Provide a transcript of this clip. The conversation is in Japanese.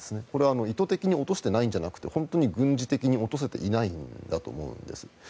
これは意図的に落としていないのではなくて本当に軍事的に落とせていないんだと思います。